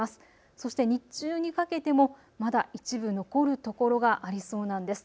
そして日中にかけてもまだ一部、残るところがありそうなんです。